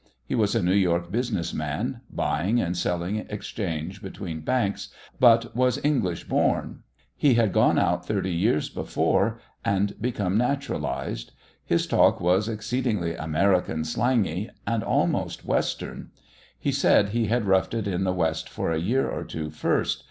He was a New York business man buying and selling exchange between banks but was English born. He had gone out thirty years before, and become naturalised. His talk was exceedingly "American," slangy, and almost Western. He said he had roughed it in the West for a year or two first.